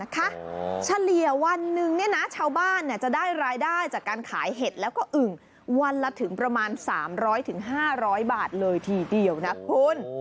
เฉลี่ยวันหนึ่งชาวบ้านจะได้รายได้จากการขายเห็ดแล้วก็อึ่งวันละถึงประมาณ๓๐๐๕๐๐บาทเลยทีเดียวนะคุณ